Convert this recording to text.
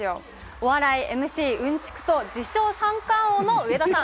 お笑い、ＭＣ、うんちくと、自称三冠王の上田さん。